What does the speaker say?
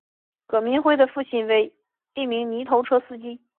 葛民辉的父亲为一名泥头车司机。